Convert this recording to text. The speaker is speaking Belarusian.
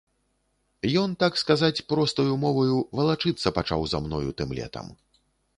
Ён, так сказаць, простаю моваю, валачыцца пачаў за мною тым летам.